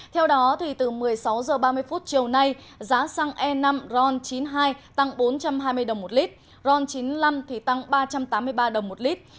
theo đó từ một mươi sáu h ba mươi chiều nay giá xăng e năm ron chín mươi hai tăng bốn trăm hai mươi đồng một lít ron chín mươi năm tăng ba trăm tám mươi ba đồng một lít